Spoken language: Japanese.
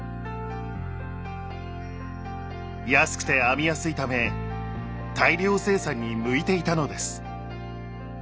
安くて編みやすいため大量生産に向いていたのです。